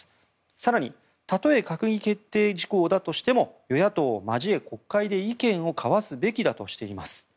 更に、たとえ閣議決定事項だとしても与野党を交え国会で意見を交わすべきだとしています。